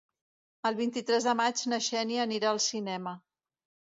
El vint-i-tres de maig na Xènia anirà al cinema.